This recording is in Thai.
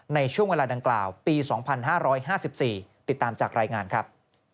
ในช่วงเวลาดังกล่าวปี๒๕๕๔ติดตามจากรายงานครับ